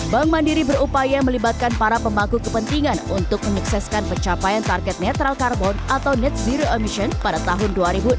bank mandiri berupaya melibatkan para pemangku kepentingan untuk menyukseskan pencapaian target netral carbon atau net zero emission pada tahun dua ribu enam belas